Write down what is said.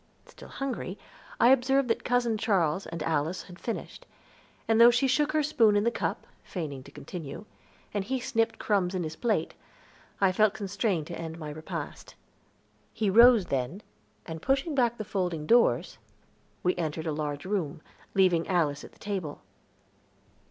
Still hungry, I observed that Cousin Charles and Alice had finished; and though she shook her spoon in the cup, feigning to continue, and he snipped crumbs in his plate, I felt constrained to end my repast. He rose then, and pushing back folding doors, we entered a large room, leaving Alice at the table.